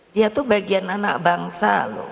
dia tuh bagian anak bangsa loh